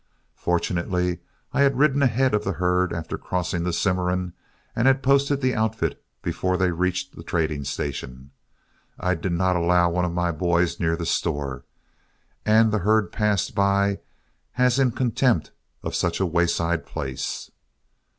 Fortunately I had ridden ahead of the herd after crossing the Cimarron, and had posted the outfit before they reached the trading station. I did not allow one of my boys near the store, and the herd passed by as in contempt of such a wayside place.